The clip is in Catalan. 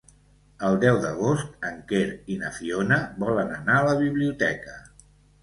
El deu d'agost en Quer i na Fiona volen anar a la biblioteca.